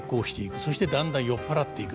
そしてだんだん酔っ払っていく。